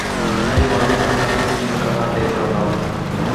میں جماعت اسلامی میں اس کے امکانات دیکھ رہا ہوں۔